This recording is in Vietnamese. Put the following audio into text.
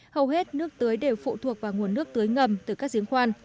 hầu hết nước tưới đều phụ thuộc vào nguồn nước tưới ngầm từ các giếng khoan